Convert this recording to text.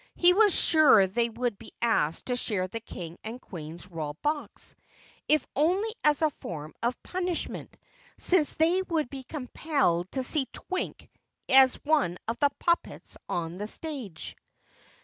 He was sure they would be asked to share the King and Queen's Royal Box, if only as a form of punishment, since they would be compelled to see Twink as one of the puppets on the stage.